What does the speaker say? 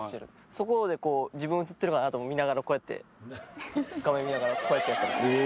そこでこう自分映ってるかなと見ながらこうやって画面見ながらこうやってやったり。